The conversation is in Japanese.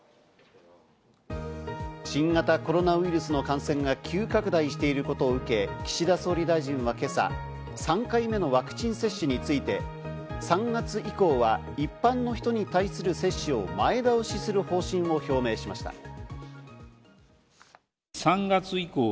新型コロナウイルスの感染が急拡大していることを受け、岸田総理大臣は今朝、３回目のワクチン接種について、３月以降は一般の人に対する接種を前倒しする方針を表明しました。